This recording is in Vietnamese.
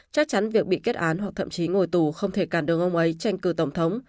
chắc chắn việc bị kết án hoặc thậm chí ngồi tù không thể cản đường ông ấy tranh cử tổng thống